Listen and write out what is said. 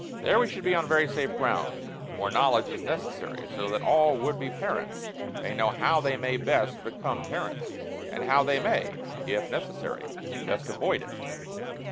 There we should be on very safe ground. More knowledge is necessary so that all would be parents may know how they may best become parents, and how they may, if necessary, best avoid it.